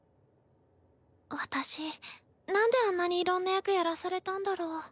私なんであんなにいろんな役やらされたんだろう？